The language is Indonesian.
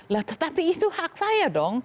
lah tetapi itu hak saya dong